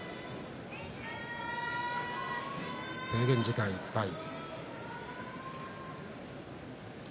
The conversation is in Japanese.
制限時間いっぱい。